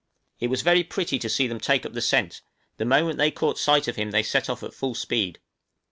It was very pretty to see them take up the scent, the moment they caught sight of him they set off at full speed.